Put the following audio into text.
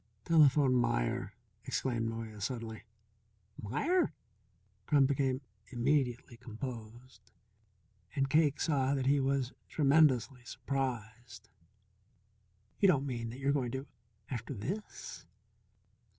"Telephone Meier," exclaimed Noyes suddenly. "Meier?" Crum became immediately composed, and Cake saw that he was tremendously surprised. "You don't mean that you're going to After this?